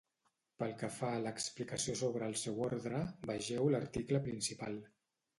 Pel que fa a l'explicació sobre el seu ordre, vegeu l'article principal.